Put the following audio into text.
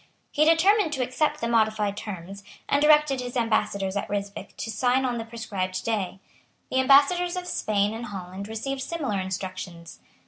He determined to accept the modified terms, and directed his Ambassadors at Ryswick to sign on the prescribed day. The Ambassadors of Spain and Holland received similar instructions.